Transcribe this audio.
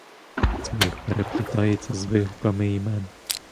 Сміх переплітається з вигуками імен.